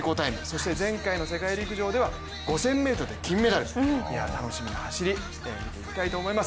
そして前回の世界陸上では５０００ｍで金メダル、楽しみな走り、見ていきたいと思います。